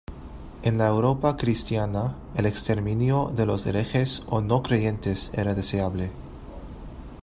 En la Europa cristiana, el exterminio de los herejes o "no creyentes" era deseable.